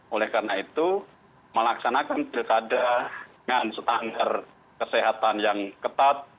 oleh karena itu melaksanakan pilkada dengan standar kesehatan yang ketat